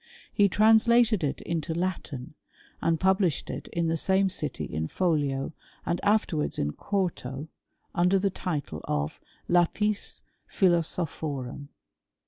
He translated it into Latin, and published it in the same city in folio^ and afterwards in quarto, under the title of *^ Lapis Philosophorum."